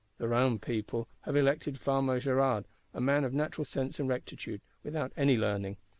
The Rennes people have elected Farmer Gérard, "a man of natural sense and rectitude, without any learning."